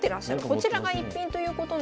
こちらが逸品ということなんですが。